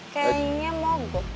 kayaknya mau gue